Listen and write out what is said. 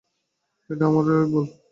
এটা আমারই ভুল।